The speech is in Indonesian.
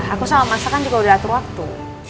aku sama masakan juga udah atur waktu